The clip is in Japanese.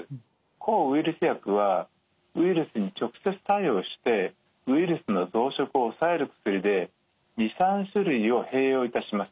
抗ウイルス薬はウイルスに直接作用してウイルスの増殖を抑える薬で２３種類を併用いたします。